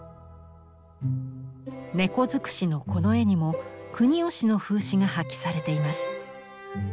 猫づくしのこの絵にも国芳の風刺が発揮されています。